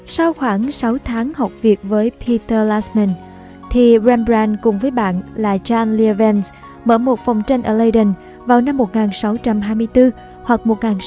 sau khoảng sáu tháng học việc với peter lassmann thì rembrandt cùng với bạn là john leavens mở một phòng tranh ở leiden vào năm một nghìn sáu trăm hai mươi bốn hoặc một nghìn sáu trăm hai mươi năm